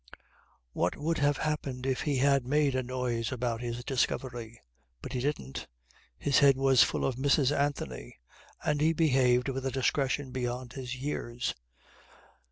What would have happened if he had made a noise about his discovery? But he didn't. His head was full of Mrs. Anthony and he behaved with a discretion beyond his years.